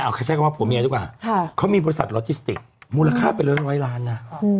เอาใครใช้คำว่าผัวเมียดีกว่าเขามีบริษัทโลจิสติกมูลค่าเป็นร้อยล้านนะ